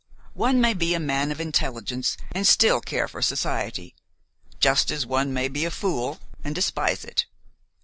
One may be a man of intelligence and still care for society, just as one may be a fool and despise it.